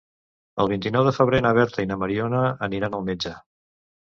El vint-i-nou de febrer na Berta i na Mariona aniran al metge.